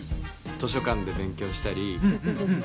図書館で勉強したりうん